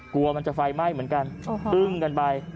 กลัวมันจะไฟไหม้เหมือนกันอึ้งกันไป